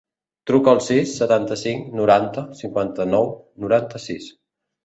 Truca al sis, setanta-cinc, noranta, cinquanta-nou, noranta-sis.